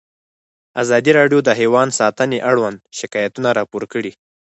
ازادي راډیو د حیوان ساتنه اړوند شکایتونه راپور کړي.